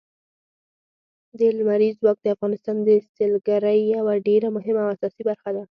لمریز ځواک د افغانستان د سیلګرۍ یوه ډېره مهمه او اساسي برخه ده.